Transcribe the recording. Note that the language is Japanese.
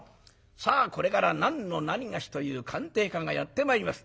さあこれから何のなにがしという鑑定家がやって参ります。